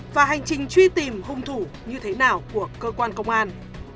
và hành trình truy tìm hung thủ như thế nào của cơ quan công an